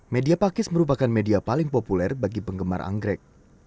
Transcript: media pakis merupakan media paling populer bagi penggemar anggrek